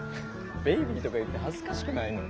ベイビーとか言って恥ずかしくないの？